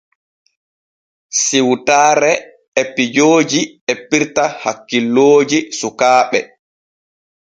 Siwtaare e pijoojo e pirta hakkilooji sukaaɓe.